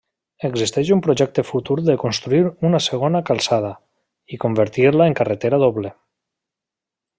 Existeix un projecte futur de construir una segona calçada, i convertir-la en carretera doble.